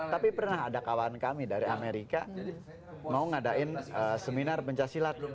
tapi pernah ada kawan kami dari amerika mau ngadain seminar pencaksilat